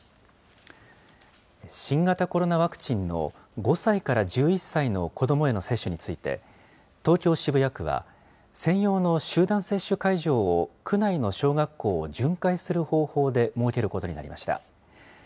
新型コロナワクチンの５歳から１１歳の子どもへの接種について、東京・渋谷区は、専用の集団接種会場を区内の小学校を巡回する方法で設けることになりました。